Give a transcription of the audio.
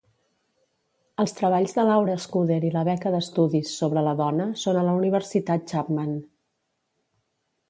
Els treballs de Laura Scudder i la beca d'estudis sobre la dona són a la Universitat Chapman.